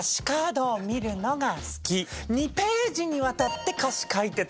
２ページにわたって歌詞書いてたりとか。